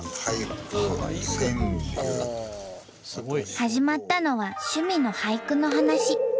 始まったのは趣味の俳句の話。